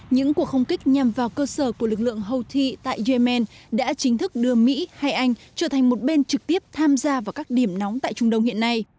những cuộc không kích nhằm vào cơ sở của lực lượng houthi tại yemen đã chính thức đưa mỹ hay anh trở thành một bên trực tiếp tham gia vào các điểm nóng tại trung đông hiện nay